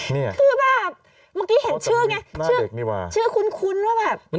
เมื่อกี้เห็นชื่อไงชื่อคุ้นแล้วบ้าน